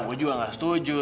gue juga nggak setuju